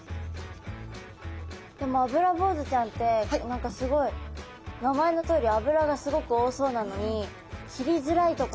でもアブラボウズちゃんって何かすごい名前のとおり脂がすごく多そうなのに切りづらいとかはないんですか？